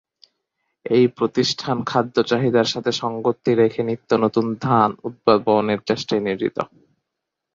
এই প্রতিষ্ঠান খাদ্য চাহিদার সাথে সঙ্গতি রেখে নিত্য নতুন ধান উদ্ভাবনের চেষ্টায় নিয়োজিত।